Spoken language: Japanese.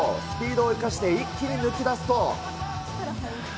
スピードを生かして一気に抜け出すと。